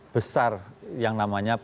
besar yang namanya